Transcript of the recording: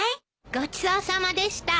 ごちそうさまでした。